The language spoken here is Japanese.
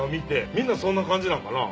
みんなそんな感じなんかな？